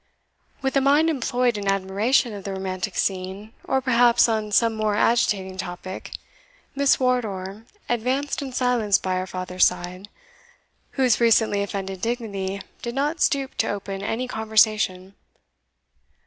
With a mind employed in admiration of the romantic scene, or perhaps on some more agitating topic, Miss Wardour advanced in silence by her father's side, whose recently offended dignity did not stoop to open any conversation.